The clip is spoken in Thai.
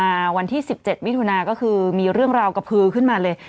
ที่ผ่านมาวันที่๑๗วิทยุนาคมก็คือมีเรื่องราวกระพือขึ้นมาเลย